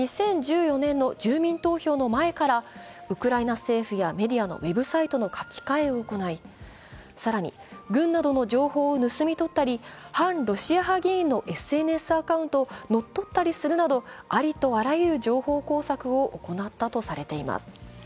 ２０１４年の住民投票の前からウクライナ政府やメディアのウェブサイトの書き換えを行い、更に、軍などの情報を盗み取ったり反ロシア派議員のＳＮＳアカウントを乗っ取ったりするなどありとあらゆる情報工作を行ったとされています。